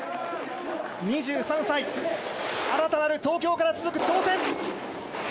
２３歳、新たなる東京から続く挑戦。